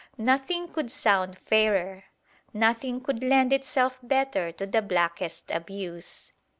Nothing could sound fairer: nothing could lend itself better to the blackest abuse.